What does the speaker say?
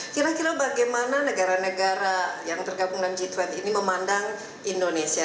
kira kira bagaimana negara negara yang tergabung dengan g dua puluh ini memandang indonesia